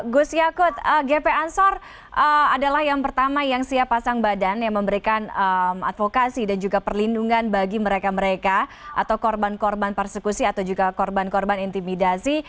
gus yakut gp ansor adalah yang pertama yang siap pasang badan yang memberikan advokasi dan juga perlindungan bagi mereka mereka atau korban korban persekusi atau juga korban korban intimidasi